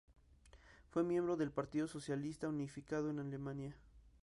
Fue miembro del Partido Socialista Unificado de Alemania.